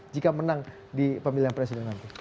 jika menang di pemilihan presiden nanti